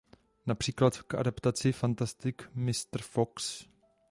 Například k adaptaci "Fantastic Mr Fox".